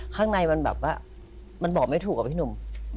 ข้างในมันแบบว่ามันบอกไม่ถูกอะพี่หนุ่ม